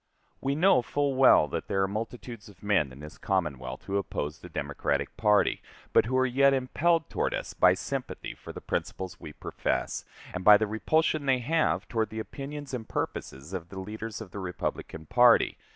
We know full well that there are multitudes of men in this Commonwealth who oppose the Democratic party, but who are yet impelled toward us by sympathy for the principles we profess, and by the repulsion they have toward the opinions and purposes of the leaders of the Republican party.